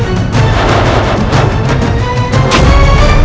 tidak ada kesalahan